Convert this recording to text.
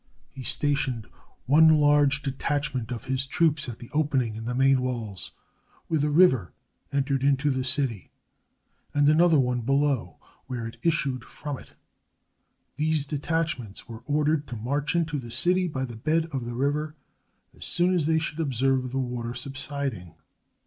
He stationed one large detachment of his troops at the opening in the main walls where the river entered into the city, and another one below, where it issued from it. These detachments were ordered to march into the city by the bed of the river, as soon as they should observe the water subsid ing.